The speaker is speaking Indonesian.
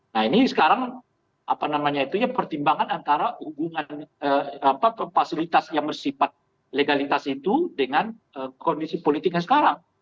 nah ini sekarang pertimbangan antara pasilitas yang bersifat legalitas itu dengan kondisi politiknya sekarang